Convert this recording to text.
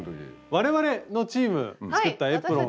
我々のチーム作ったエプロン。